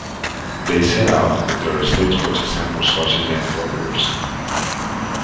They set out, but their stagecoach is ambushed by Cheyenne warriors.